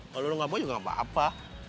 kalau lo gak mau juga gak apa apa